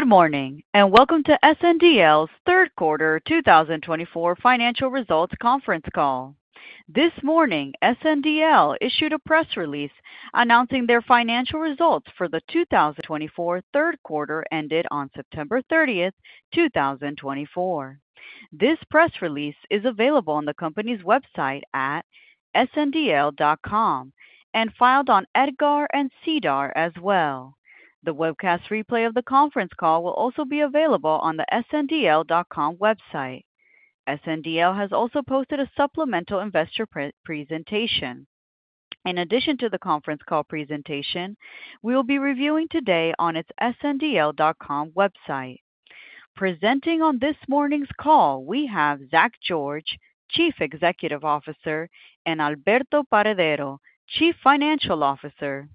Good morning, and welcome to SNDL's Third Quarter 2024 financial results conference call. This morning, SNDL issued a press release announcing their financial results for the 2024 third quarter ended on September 30th, 2024. This press release is available on the company's website at sndl.com and filed on EDGAR and SEDAR+ as well. The webcast replay of the conference call will also be available on the sndl.com website. SNDL has also posted a supplemental investor presentation. In addition to the conference call presentation, we will be reviewing today on its sndl.com website. Presenting on this morning's call, we have Zach George, Chief Executive Officer, and Alberto Paredero, Chief Financial Officer.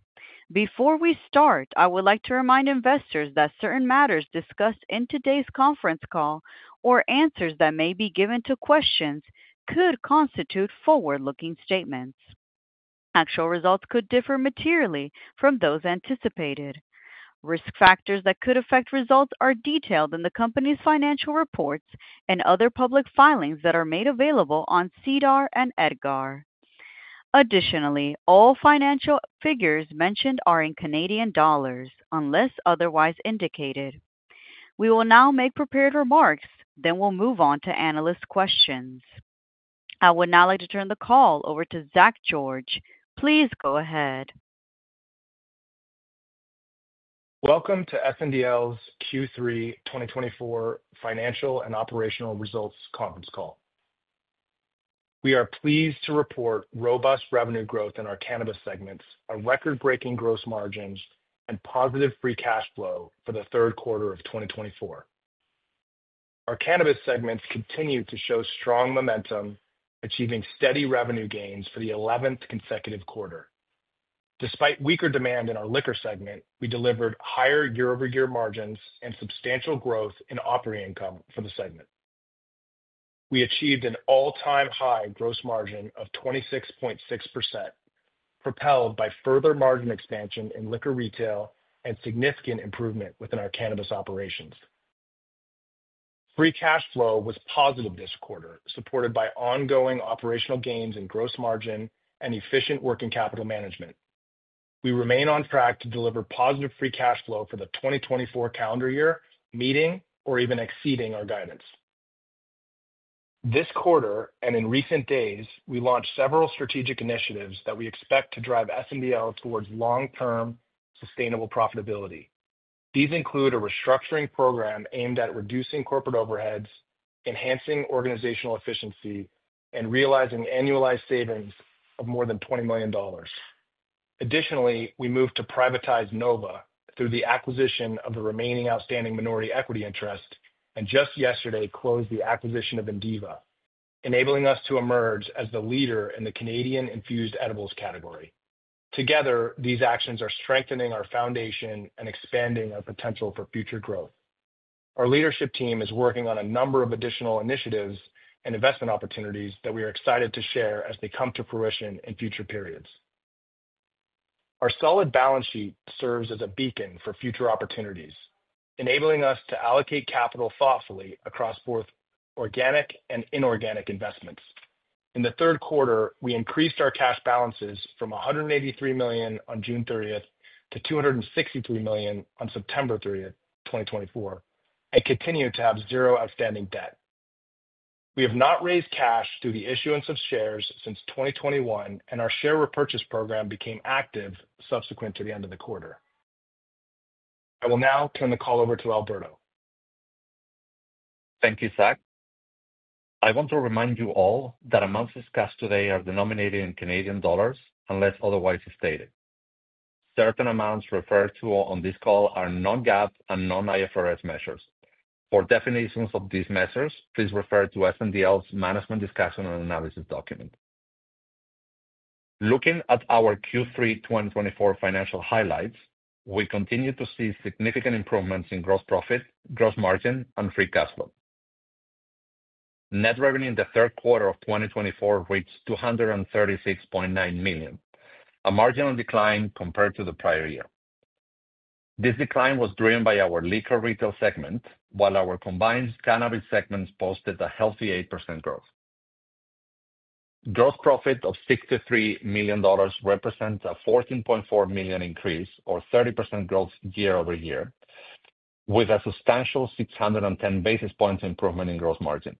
Before we start, I would like to remind investors that certain matters discussed in today's conference call or answers that may be given to questions could constitute forward-looking statements. Actual results could differ materially from those anticipated. Risk factors that could affect results are detailed in the company's financial reports and other public filings that are made available on SEDAR and EDGAR. Additionally, all financial figures mentioned are in Canadian dollars unless otherwise indicated. We will now make prepared remarks, then we'll move on to analyst questions. I would now like to turn the call over to Zach George. Please go ahead. Welcome to SNDL's Q3 2024 financial and operational results conference call. We are pleased to report robust revenue growth in our cannabis segments, our record-breaking gross margins, and positive free cash flow for the third quarter of 2024. Our cannabis segments continue to show strong momentum, achieving steady revenue gains for the 11th consecutive quarter. Despite weaker demand in our liquor segment, we delivered higher year-over-year margins and substantial growth in operating income for the segment. We achieved an all-time high gross margin of 26.6%, propelled by further margin expansion in liquor retail and significant improvement within our cannabis operations. Free cash flow was positive this quarter, supported by ongoing operational gains in gross margin and efficient working capital management. We remain on track to deliver positive free cash flow for the 2024 calendar year, meeting or even exceeding our guidance. This quarter and in recent days, we launched several strategic initiatives that we expect to drive SNDL towards long-term sustainable profitability. These include a restructuring program aimed at reducing corporate overheads, enhancing organizational efficiency, and realizing annualized savings of more than 20 million dollars. Additionally, we moved to privatize Nova through the acquisition of the remaining outstanding minority equity interest, and just yesterday closed the acquisition of Indiva, enabling us to emerge as the leader in the Canadian-infused edibles category. Together, these actions are strengthening our foundation and expanding our potential for future growth. Our leadership team is working on a number of additional initiatives and investment opportunities that we are excited to share as they come to fruition in future periods. Our solid balance sheet serves as a beacon for future opportunities, enabling us to allocate capital thoughtfully across both organic and inorganic investments. In the third quarter, we increased our cash balances from 183 million on June 30th to 263 million on September 30th, 2024, and continue to have zero outstanding debt. We have not raised cash through the issuance of shares since 2021, and our share repurchase program became active subsequent to the end of the quarter. I will now turn the call over to Alberto. Thank you, Zach. I want to remind you all that amounts discussed today are denominated in Canadian dollars unless otherwise stated. Certain amounts referred to on this call are non-GAAP and non-IFRS measures. For definitions of these measures, please refer to SNDL's Management's Discussion and Analysis document. Looking at our Q3 2024 financial highlights, we continue to see significant improvements in gross profit, gross margin, and free cash flow. Net revenue in the third quarter of 2024 reached 236.9 million, a modest decline compared to the prior year. This decline was driven by our liquor retail segment, while our combined cannabis segments posted a healthy 8% growth. Gross profit of 63 million dollars represents a 14.4 million increase, or 30% growth year over year, with a substantial 610 basis points improvement in gross margin.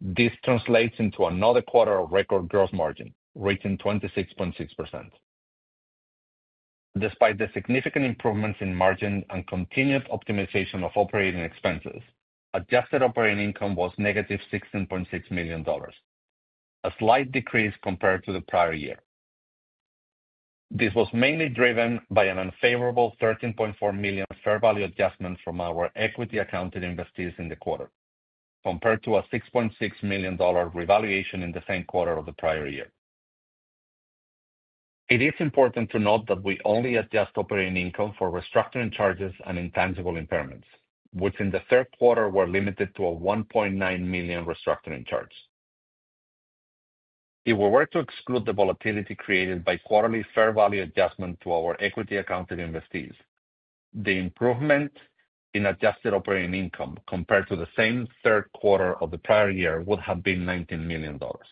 This translates into another quarter of record gross margin reaching 26.6%. Despite the significant improvements in margin and continued optimization of operating expenses, adjusted operating income was -16.6 million dollars, a slight decrease compared to the prior year. This was mainly driven by an unfavorable 13.4 million fair value adjustment from our equity-accounted investors in the quarter, compared to a 6.6 million dollar revaluation in the same quarter of the prior year. It is important to note that we only adjust operating income for restructuring charges and intangible impairments, which in the third quarter were limited to a 1.9 million restructuring charge. If we were to exclude the volatility created by quarterly fair value adjustment to our equity-accounted investors, the improvement in adjusted operating income compared to the same third quarter of the prior year would have been 19 million dollars.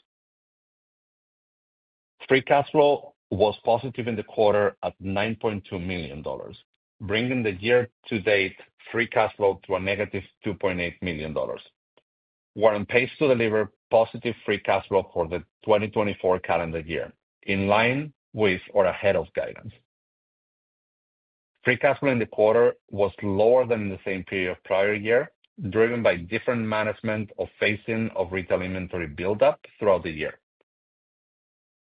Free cash flow was positive in the quarter at 9.2 million dollars, bringing the year-to-date free cash flow to a -2.8 million dollars, we're on pace to deliver positive free cash flow for the 2024 calendar year, in line with or ahead of guidance. Free cash flow in the quarter was lower than in the same period of prior year, driven by different management of phasing of retail inventory build-up throughout the year,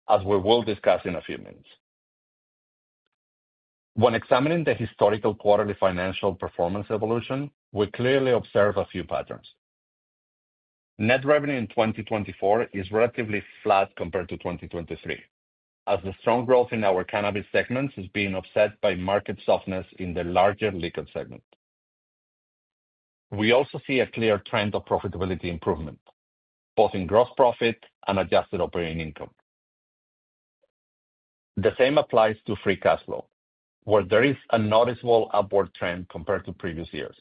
as we will discuss in a few minutes. When examining the historical quarterly financial performance evolution, we clearly observe a few patterns. Net revenue in 2024 is relatively flat compared to 2023, as the strong growth in our cannabis segments is being offset by market softness in the larger liquor segment. We also see a clear trend of profitability improvement, both in gross profit and adjusted operating income. The same applies to free cash flow, where there is a noticeable upward trend compared to previous years.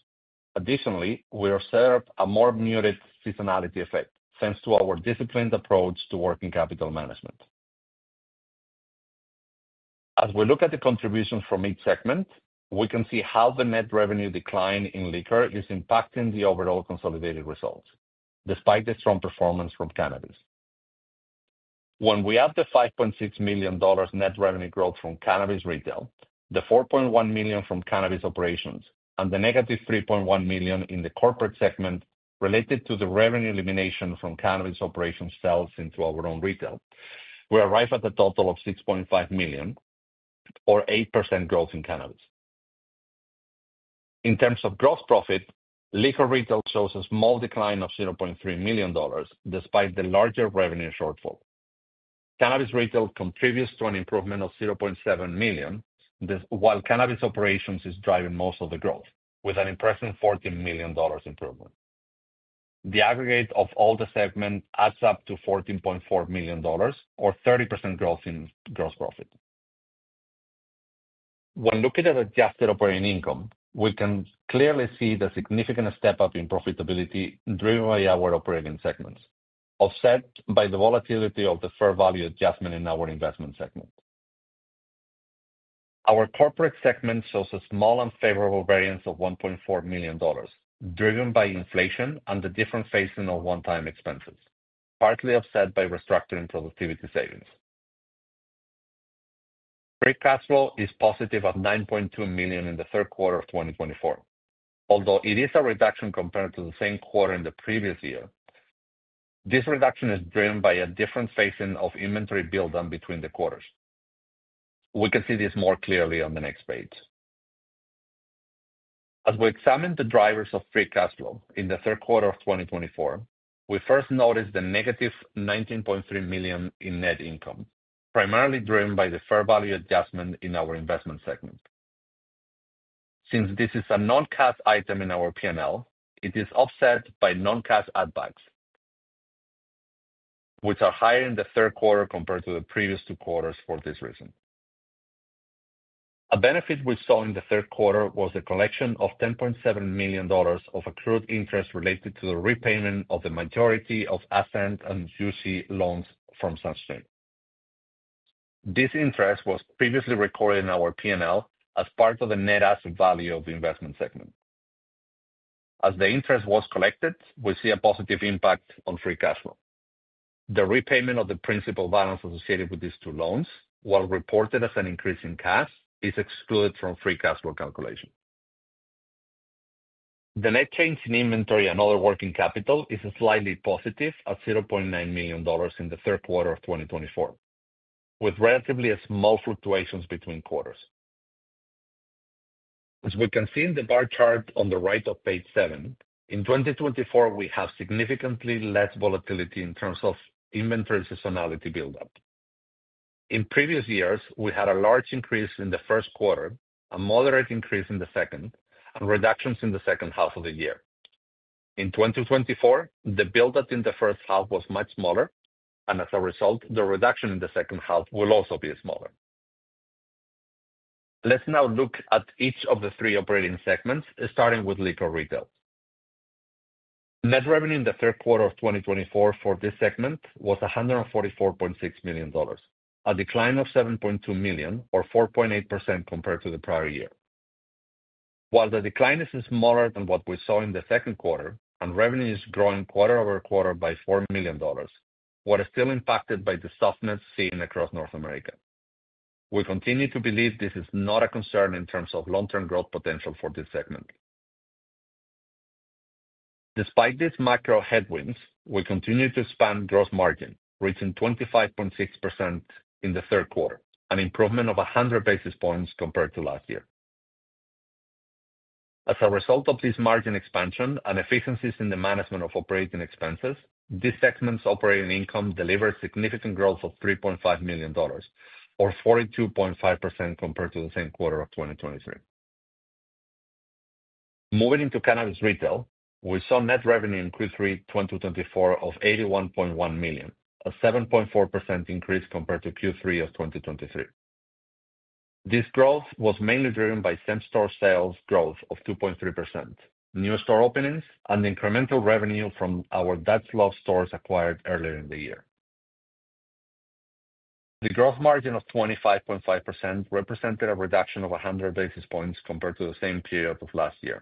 Additionally, we observe a more muted seasonality effect thanks to our disciplined approach to working capital management. As we look at the contributions from each segment, we can see how the net revenue decline in liquor is impacting the overall consolidated results, despite the strong performance from cannabis. When we add the 5.6 million dollars net revenue growth from cannabis retail, the 4.1 million from cannabis operations, and the -3.1 million in the corporate segment related to the revenue elimination from cannabis operations sales into our own retail, we arrive at a total of 6.5 million, or 8% growth in cannabis. In terms of gross profit, liquor retail shows a small decline of 0.3 million dollars despite the larger revenue shortfall. Cannabis retail contributes to an improvement of 0.7 million, while cannabis operations is driving most of the growth, with an impressive 14 million dollars improvement. The aggregate of all the segments adds up to 14.4 million dollars, or 30% growth in gross profit. When looking at adjusted operating income, we can clearly see the significant step-up in profitability driven by our operating segments, offset by the volatility of the fair value adjustment in our investment segment. Our corporate segment shows a small unfavorable variance of 1.4 million dollars, driven by inflation and the different phasing of one-time expenses, partly offset by restructuring productivity savings. Free cash flow is positive at 9.2 million in the third quarter of 2024. Although it is a reduction compared to the same quarter in the previous year, this reduction is driven by a different phasing of inventory build-up between the quarters. We can see this more clearly on the next page. As we examine the drivers of free cash flow in the third quarter of 2024, we first notice the -19.3 million in net income, primarily driven by the fair value adjustment in our investment segment. Since this is a non-cash item in our P&L, it is offset by non-cash add-backs, which are higher in the third quarter compared to the previous two quarters for this reason. A benefit we saw in the third quarter was the collection of 10.7 million dollars of accrued interest related to the repayment of the majority of Ascend and Jushi loans from Sunstream. This interest was previously recorded in our P&L as part of the net Ascend value of the investment segment. As the interest was collected, we see a positive impact on free cash flow. The repayment of the principal balance associated with these two loans, while reported as an increase in cash, is excluded from free cash flow calculation. The net change in inventory and other working capital is slightly positive at 0.9 million dollars in the third quarter of 2024, with relatively small fluctuations between quarters. As we can see in the bar chart on the right of page 7, in 2024, we have significantly less volatility in terms of inventory seasonality build-up. In previous years, we had a large increase in the first quarter, a moderate increase in the second, and reductions in the second half of the year. In 2024, the build-up in the first half was much smaller, and as a result, the reduction in the second half will also be smaller. Let's now look at each of the three operating segments, starting with liquor retail. Net revenue in the third quarter of 2024 for this segment was 144.6 million dollars, a decline of 7.2 million, or 4.8% compared to the prior year. While the decline is smaller than what we saw in the second quarter, and revenue is growing quarter over quarter by 4 million dollars, we are still impacted by the softness seen across North America. We continue to believe this is not a concern in terms of long-term growth potential for this segment. Despite these macro headwinds, we continue to expand gross margin, reaching 25.6% in the third quarter, an improvement of 100 basis points compared to last year. As a result of this margin expansion and efficiencies in the management of operating expenses, this segment's operating income delivered significant growth of 3.5 million dollars, or 42.5% compared to the same quarter of 2023. Moving into cannabis retail, we saw net revenue in Q3 2024 of 81.1 million, a 7.4% increase compared to Q3 of 2023. This growth was mainly driven by same-store sales growth of 2.3%, new store openings, and incremental revenue from our Dutch Love stores acquired earlier in the year. The gross margin of 25.5% represented a reduction of 100 basis points compared to the same period of last year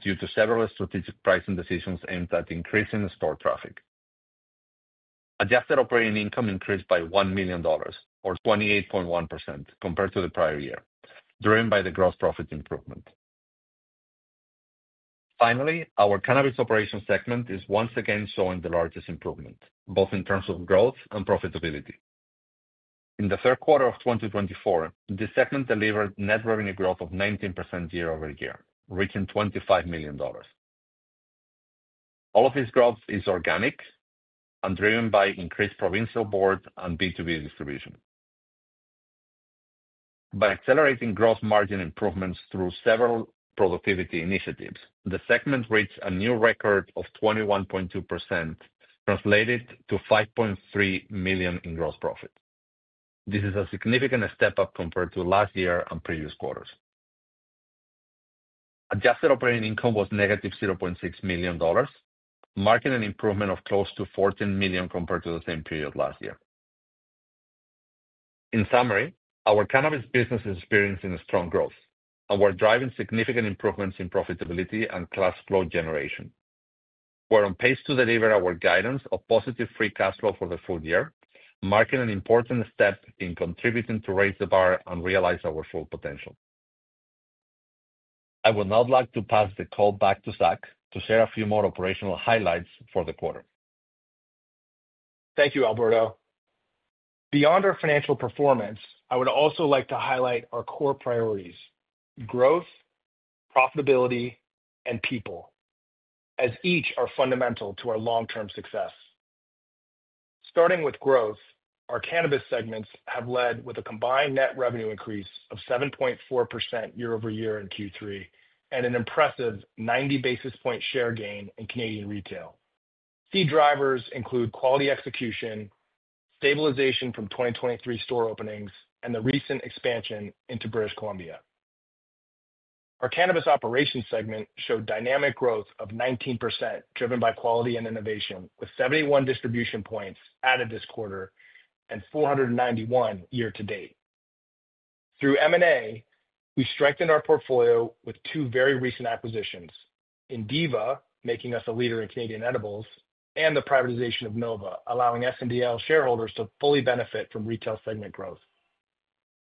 due to several strategic pricing decisions aimed at increasing the store traffic. Adjusted operating income increased by 1 million dollars, or 28.1% compared to the prior year, driven by the gross profit improvement. Finally, our cannabis operations segment is once again showing the largest improvement, both in terms of growth and profitability. In the third quarter of 2024, this segment delivered net revenue growth of 19% year over year, reaching 25 million dollars. All of this growth is organic and driven by increased provincial board and B2B distribution. By accelerating gross margin improvements through several productivity initiatives, the segment reached a new record of 21.2%, translated to 5.3 million in gross profit. This is a significant step-up compared to last year and previous quarters. Adjusted operating income was -0.6 million dollars, marking an improvement of close to 14 million compared to the same period last year. In summary, our cannabis business is experiencing strong growth, and we're driving significant improvements in profitability and cash flow generation. We're on pace to deliver our guidance of positive free cash flow for the full year, marking an important step in contributing to raise the bar and realize our full potential. I would now like to pass the call back to Zach to share a few more operational highlights for the quarter. Thank you, Alberto. Beyond our financial performance, I would also like to highlight our core priorities: growth, profitability, and people, as each are fundamental to our long-term success. Starting with growth, our cannabis segments have led with a combined net revenue increase of 7.4% year over year in Q3 and an impressive 90 basis points share gain in Canadian retail. Key drivers include quality execution, stabilization from 2023 store openings, and the recent expansion into British Columbia. Our cannabis operations segment showed dynamic growth of 19%, driven by quality and innovation, with 71 distribution points added this quarter and 491 year to date. Through M&A, we strengthened our portfolio with two very recent acquisitions: Indiva, making us a leader in Canadian edibles, and the privatization of Nova, allowing SNDL shareholders to fully benefit from retail segment growth.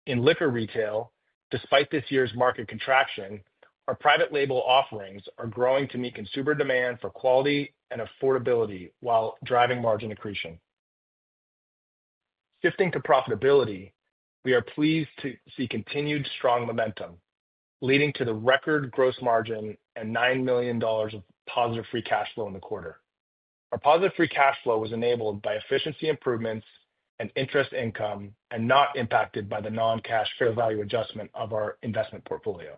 In liquor retail, despite this year's market contraction, our private label offerings are growing to meet consumer demand for quality and affordability while driving margin accretion. Shifting to profitability, we are pleased to see continued strong momentum, leading to the record gross margin and 9 million dollars of positive free cash flow in the quarter. Our positive free cash flow was enabled by efficiency improvements and interest income and not impacted by the non-cash fair value adjustment of our investment portfolio.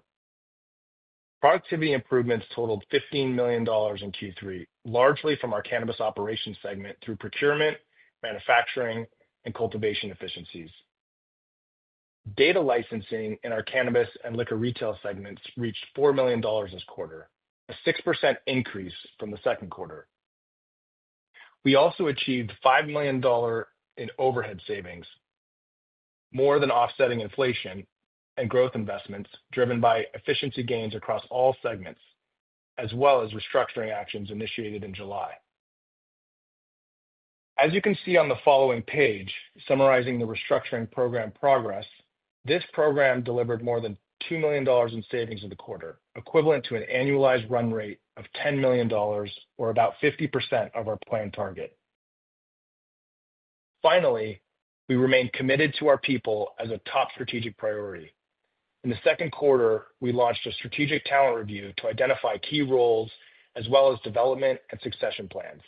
Productivity improvements totaled 15 million dollars in Q3, largely from our cannabis operations segment through procurement, manufacturing, and cultivation efficiencies. Data licensing in our cannabis and liquor retail segments reached 4 million dollars this quarter, a 6% increase from the second quarter. We also achieved 5 million dollars in overhead savings, more than offsetting inflation and growth investments driven by efficiency gains across all segments, as well as restructuring actions initiated in July. As you can see on the following page, summarizing the restructuring program progress, this program delivered more than 2 million dollars in savings in the quarter, equivalent to an annualized run rate of 10 million dollars, or about 50% of our planned target. Finally, we remain committed to our people as a top strategic priority. In the second quarter, we launched a strategic talent review to identify key roles as well as development and succession plans.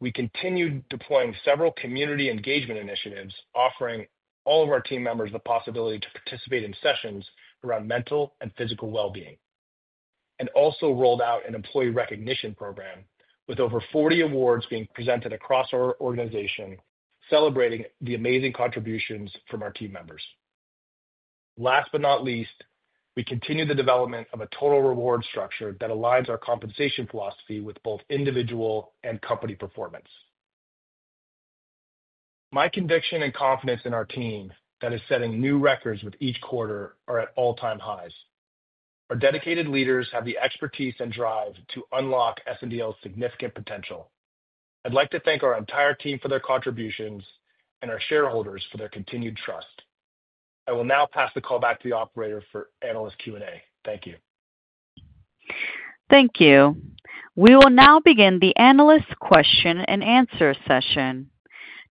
We continued deploying several community engagement initiatives, offering all of our team members the possibility to participate in sessions around mental and physical well-being, and also rolled out an employee recognition program with over 40 awards being presented across our organization, celebrating the amazing contributions from our team members. Last but not least, we continue the development of a total reward structure that aligns our compensation philosophy with both individual and company performance. My conviction and confidence in our team that is setting new records with each quarter are at all-time highs. Our dedicated leaders have the expertise and drive to unlock SNDL's significant potential. I'd like to thank our entire team for their contributions and our shareholders for their continued trust. I will now pass the call back to the operator for analyst Q&A. Thank you. Thank you. We will now begin the analyst question and answer session.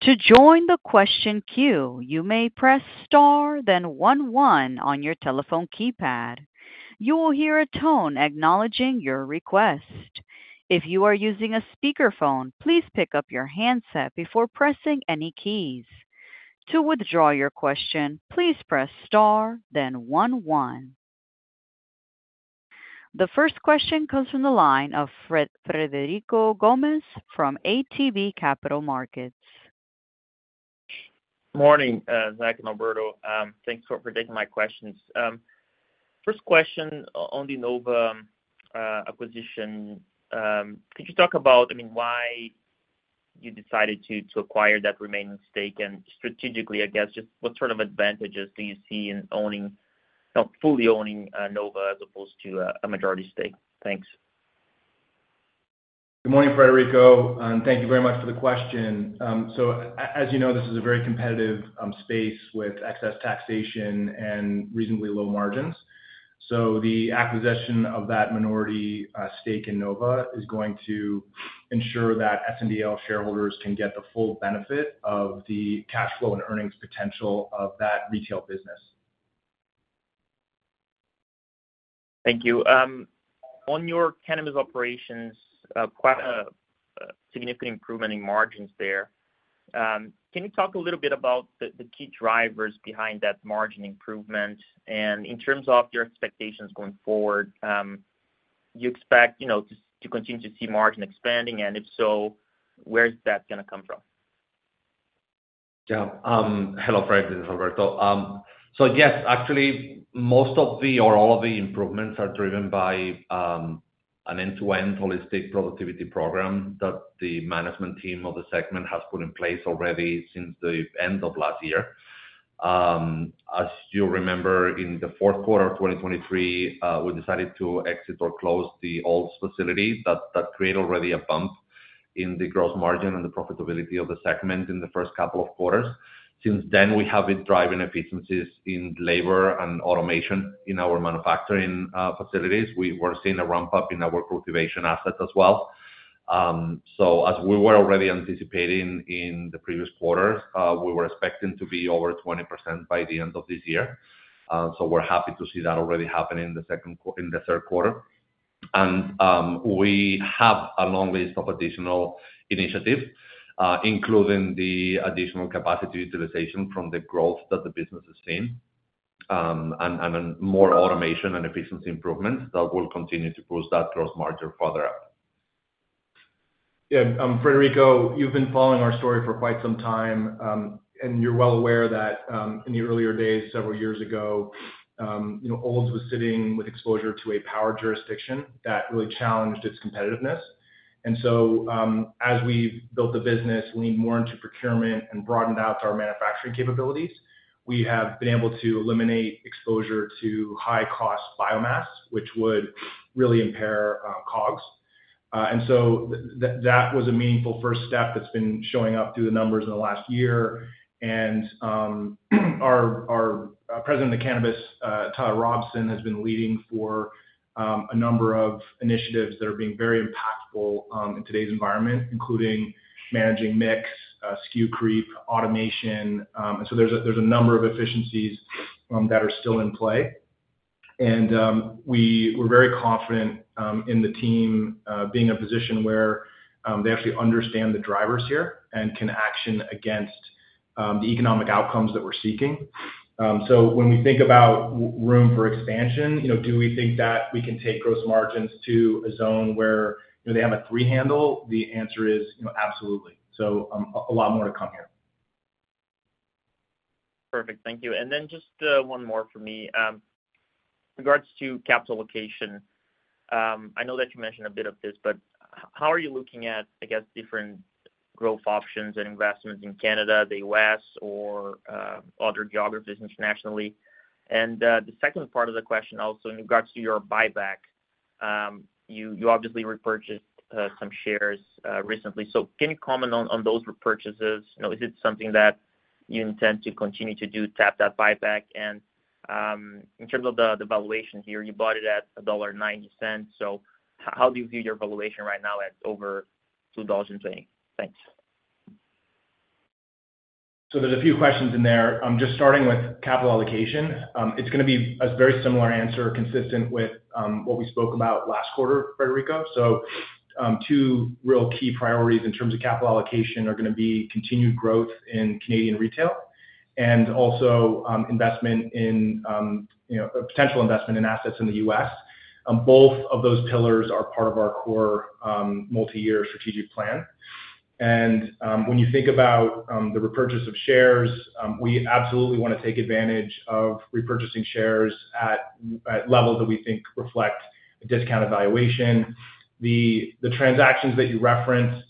To join the question queue, you may press star, then one one on your telephone keypad. You will hear a tone acknowledging your request. If you are using a speakerphone, please pick up your handset before pressing any keys. To withdraw your question, please press star, then one one. The first question comes from the line of Frederico Gomes from ATB Capital Markets. Good morning, Zach and Alberto. Thanks for taking my questions. First question on the Nova acquisition. Could you talk about, I mean, why you decided to acquire that remaining stake? And strategically, I guess, just what sort of advantages do you see in owning, fully owning Nova as opposed to a majority stake? Thanks. Good morning, Frederico, and thank you very much for the question. So as you know, this is a very competitive space with excess taxation and reasonably low margins. So the acquisition of that minority stake in Nova is going to ensure that SNDL shareholders can get the full benefit of the cash flow and earnings potential of that retail business. Thank you. On your cannabis operations, quite a significant improvement in margins there. Can you talk a little bit about the key drivers behind that margin improvement? And in terms of your expectations going forward, do you expect to continue to see margin expanding? And if so, where is that going to come from? Yeah. Hello, Fred, this is Alberto. So yes, actually, most of the or all of the improvements are driven by an end-to-end holistic productivity program that the management team of the segment has put in place already since the end of last year. As you remember, in the fourth quarter of 2023, we decided to exit or close the old facility. That created already a bump in the gross margin and the profitability of the segment in the first couple of quarters. Since then, we have been driving efficiencies in labor and automation in our manufacturing facilities. We were seeing a ramp-up in our cultivation assets as well. So as we were already anticipating in the previous quarter, we were expecting to be over 20% by the end of this year. So we're happy to see that already happening in the third quarter. We have a long list of additional initiatives, including the additional capacity utilization from the growth that the business has seen and more automation and efficiency improvements that will continue to push that Gross Margin further up. Yeah. Frederico, you've been following our story for quite some time, and you're well aware that in the earlier days, several years ago, Olds was sitting with exposure to a power jurisdiction that really challenged its competitiveness. And so as we've built the business, leaned more into procurement, and broadened out our manufacturing capabilities, we have been able to eliminate exposure to high-cost biomass, which would really impair COGS. And so that was a meaningful first step that's been showing up through the numbers in the last year. And our President of Cannabis, Tyler Robson, has been leading for a number of initiatives that are being very impactful in today's environment, including managing mix, SKU creep, automation. And so there's a number of efficiencies that are still in play. We're very confident in the team being in a position where they actually understand the drivers here and can action against the economic outcomes that we're seeking. When we think about room for expansion, do we think that we can take gross margins to a zone where they have a three-handle? The answer is absolutely. A lot more to come here. Perfect. Thank you. And then just one more for me. In regards to capital allocation, I know that you mentioned a bit of this, but how are you looking at, I guess, different growth options and investments in Canada, the U.S., or other geographies internationally? And the second part of the question also, in regards to your buyback, you obviously repurchased some shares recently. So can you comment on those repurchases? Is it something that you intend to continue to do, tap that buyback? And in terms of the valuation here, you bought it at dollar 1.90. So how do you view your valuation right now at over 2.20 dollars? Thanks. So there's a few questions in there. I'm just starting with capital allocation. It's going to be a very similar answer consistent with what we spoke about last quarter, Frederico. So two real key priorities in terms of capital allocation are going to be continued growth in Canadian retail and also investment in potential investment in assets in the U.S. Both of those pillars are part of our core multi-year strategic plan. And when you think about the repurchase of shares, we absolutely want to take advantage of repurchasing shares at levels that we think reflect a discounted valuation. The transactions that you referenced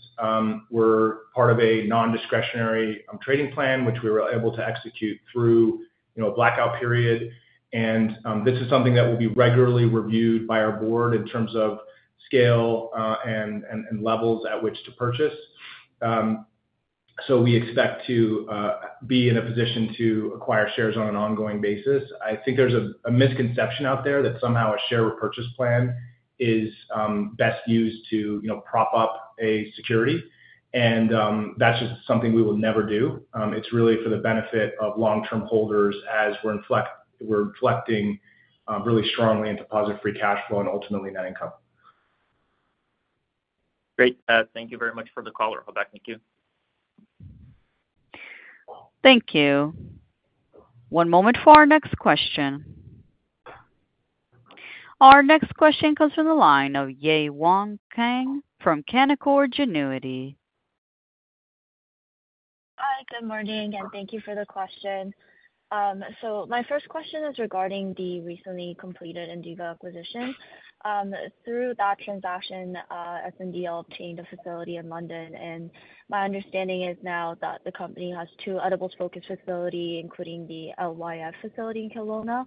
were part of a non-discretionary trading plan, which we were able to execute through a blackout period. And this is something that will be regularly reviewed by our board in terms of scale and levels at which to purchase. So we expect to be in a position to acquire shares on an ongoing basis. I think there's a misconception out there that somehow a share repurchase plan is best used to prop up a security. And that's just something we will never do. It's really for the benefit of long-term holders as we're inflecting really strongly into positive free cash flow and ultimately net income. Great. Thank you very much for the call. I'll be back in the queue. Thank you. One moment for our next question. Our next question comes from the line of Yewon Kang from Canaccord Genuity. Hi. Good morning, and thank you for the question. So my first question is regarding the recently completed Indiva acquisition. Through that transaction, SNDL obtained a facility in London. And my understanding is now that the company has two edibles-focused facilities, including the LYF facility in Kelowna.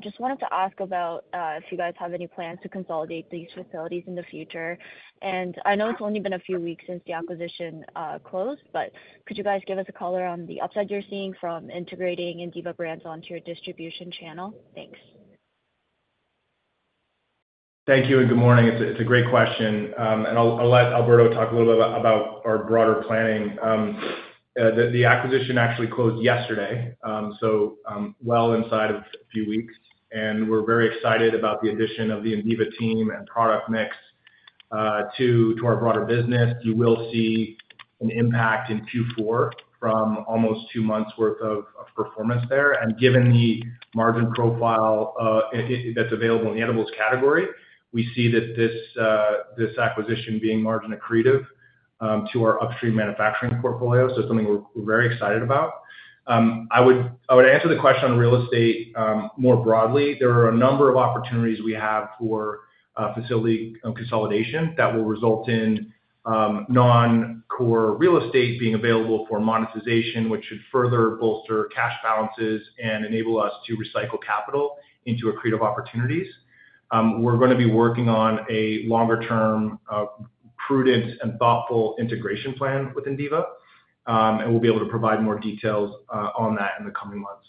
Just wanted to ask about if you guys have any plans to consolidate these facilities in the future. And I know it's only been a few weeks since the acquisition closed, but could you guys give us a color on the upside you're seeing from integrating Indiva brands onto your distribution channel? Thanks. Thank you, and good morning. It's a great question, and I'll let Alberto talk a little bit about our broader planning. The acquisition actually closed yesterday, so well inside of a few weeks, and we're very excited about the addition of the Indiva team and product mix to our broader business. You will see an impact in Q4 from almost two months' worth of performance there. And given the margin profile that's available in the edibles category, we see that this acquisition being margin accretive to our upstream manufacturing portfolio. So it's something we're very excited about. I would answer the question on real estate more broadly. There are a number of opportunities we have for facility consolidation that will result in non-core real estate being available for monetization, which should further bolster cash balances and enable us to recycle capital into accretive opportunities. We're going to be working on a longer-term, prudent, and thoughtful integration plan with Indiva, and we'll be able to provide more details on that in the coming months.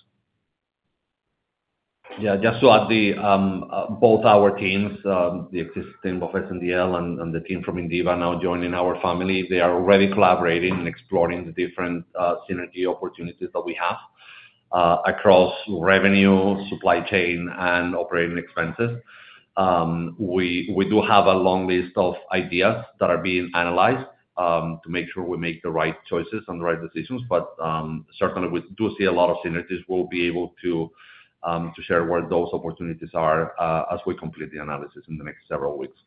Yeah. Just to add, both our teams, the existing of SNDL and the team from Indiva now joining our family, they are already collaborating and exploring the different synergy opportunities that we have across revenue, supply chain, and operating expenses. We do have a long list of ideas that are being analyzed to make sure we make the right choices and the right decisions. But certainly, we do see a lot of synergies. We'll be able to share where those opportunities are as we complete the analysis in the next several weeks.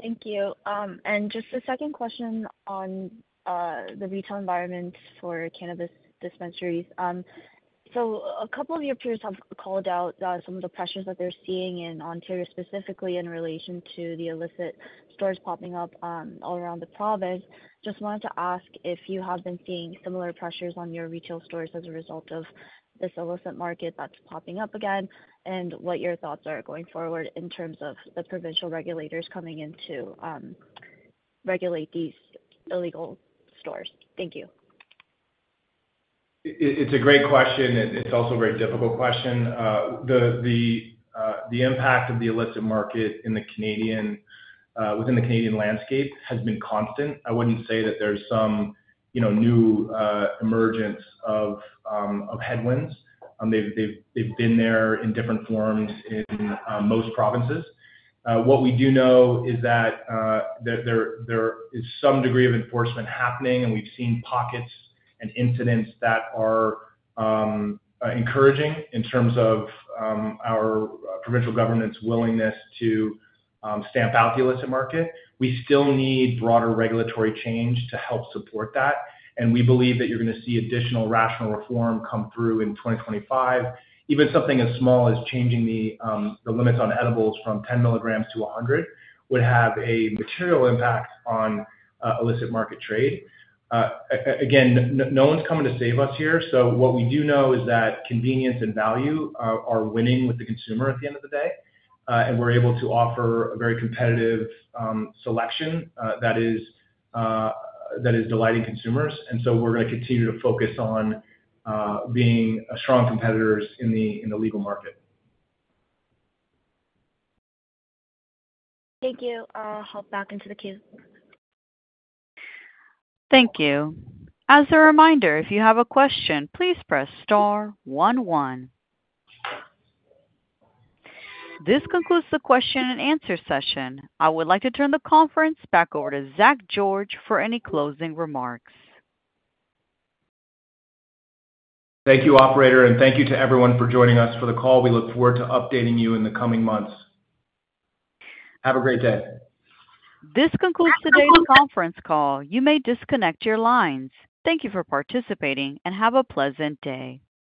Thank you. And just a second question on the retail environment for cannabis dispensaries. So a couple of your peers have called out some of the pressures that they're seeing in Ontario specifically in relation to the illicit stores popping up all around the province. Just wanted to ask if you have been seeing similar pressures on your retail stores as a result of this illicit market that's popping up again and what your thoughts are going forward in terms of the provincial regulators coming in to regulate these illegal stores? Thank you. It's a great question, and it's also a very difficult question. The impact of the illicit market within the Canadian landscape has been constant. I wouldn't say that there's some new emergence of headwinds. They've been there in different forms in most provinces. What we do know is that there is some degree of enforcement happening, and we've seen pockets and incidents that are encouraging in terms of our provincial government's willingness to stamp out the illicit market. We still need broader regulatory change to help support that, and we believe that you're going to see additional rational reform come through in 2025. Even something as small as changing the limits on edibles from 10 milligrams to 100 would have a material impact on illicit market trade. Again, no one's coming to save us here. So what we do know is that convenience and value are winning with the consumer at the end of the day. And we're able to offer a very competitive selection that is delighting consumers. And so we're going to continue to focus on being strong competitors in the legal market. Thank you. I'll hop back into the queue. Thank you. As a reminder, if you have a question, please press star one one. This concludes the question and answer session. I would like to turn the conference back over to Zach George for any closing remarks. Thank you, operator. And thank you to everyone for joining us for the call. We look forward to updating you in the coming months. Have a great day. This concludes today's conference call. You may disconnect your lines. Thank you for participating and have a pleasant day.